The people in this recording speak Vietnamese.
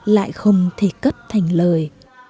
lại không thể cất thành lời